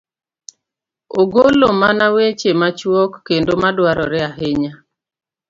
ogolo mana weche machuok kendo ma dwarore ahinya?